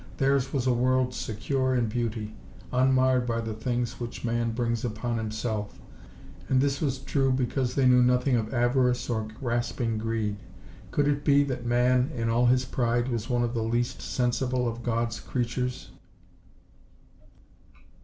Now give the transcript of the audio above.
Theirs was a world secure in beauty, unmarred by the things which man brings upon himself, and this was true because they knew nothing of avarice or grasping greed. Could it be that man, in all his pride, was one of the least sensible of God's creatures?